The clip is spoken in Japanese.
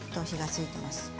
火がついています。